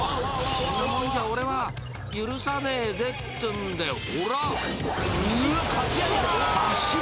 ［こんなもんじゃ俺は許さねえぜっていうんでほらっ！